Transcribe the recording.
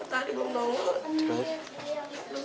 tadi belum nongol